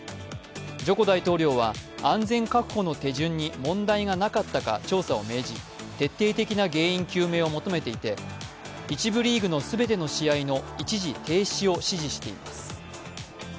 ジョコ大統領は、安全確保の手順に問題がなかったか調査を命じ、徹底的な原因究明を求めていて１部リーグの全ての試合の一時停止を指示しています。